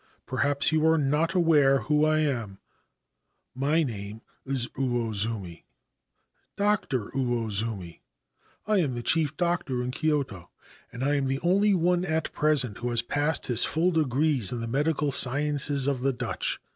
Perhaps you are not aware who I am. My name is Uozumi, Dr. Uozumi. I am the chief doctor in Kyoto, and am the only one at present who has passed his full degrees in the Medical Sciences of the Dutch.